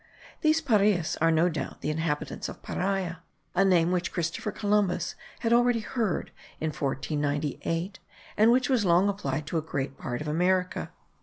These Pareas are, no doubt, the inhabitants of Paria, a name which Christopher Columbus had already heard in 1498, and which was long applied to a great part of America.